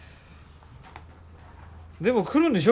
でも来るんでしょ？